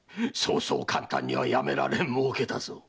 そうそう簡単にはやめられん儲けだぞ。